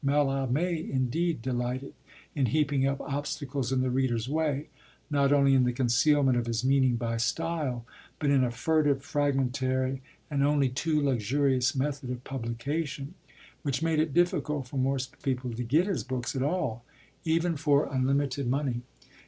Mallarmé, indeed, delighted in heaping up obstacles in the reader's way, not only in the concealment of his meaning by style, but in a furtive, fragmentary, and only too luxurious method of publication, which made it difficult for most people to get his books at all, even for unlimited money.